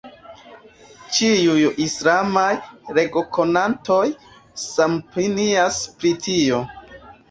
Ĉiuj islamaj leĝokonantoj samopinias pri tio.